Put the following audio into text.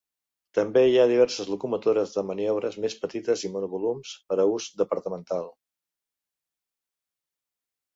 També hi ha diverses locomotores de maniobres més petites i monovolums per a ús departamental.